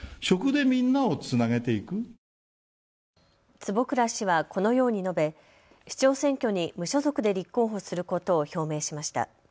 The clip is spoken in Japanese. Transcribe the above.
坪倉氏はこのように述べ、市長選挙に無所属で立候補することを表明しました。